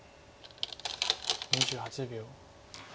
２８秒。